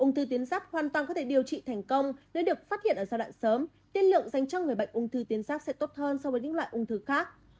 ung thư tuyến rắt hoàn toàn có thể điều trị thành công nếu được phát hiện ở giai đoạn sớm tiên lượng dành cho người bệnh ung thư tiến sát sẽ tốt hơn so với những loại ung thư khác